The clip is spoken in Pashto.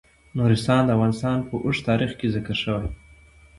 نورستان د افغانستان په اوږده تاریخ کې ذکر شوی دی.